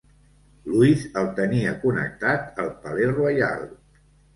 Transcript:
Louis el tenia connectat al Palais-Royal.